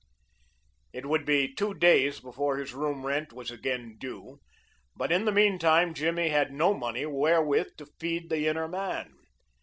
It would be two days before his room rent was again due, but in the mean time Jimmy had no money wherewith to feed the inner man.